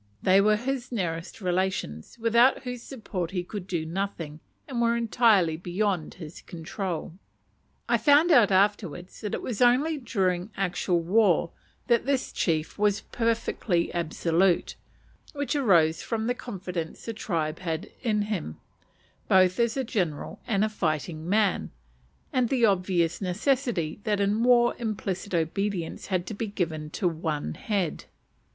They were his nearest relations, without whose support he could do nothing, and were entirely beyond his control. I found afterwards that it was only during actual war that this chief was perfectly absolute, which arose from the confidence the tribe had in him, both as a general and a fighting man, and the obvious necessity that in war implicit obedience be given to one head.